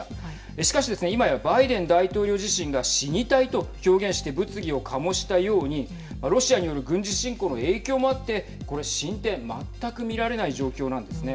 しかしですね、今やバイデン大統領自体が死に体と表現して物議を醸したようにロシアによる軍事侵攻の影響もあってこれ進展、全く見られない状況なんですね。